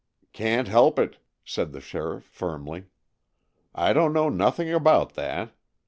"Can't help it!" said the sheriff firmly. "I don't know nothing about that.